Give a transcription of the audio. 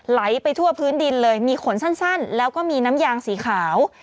ไหลไปทั่วพื้นดินเลยมีขนสั้นแล้วก็มีน้ำยางสีขาว